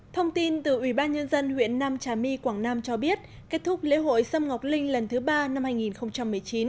thông tin từ ủy ban nhân dân huyện nam trà my quảng nam cho biết kết thúc lễ hội sâm ngọc linh lần thứ ba năm hai nghìn một mươi chín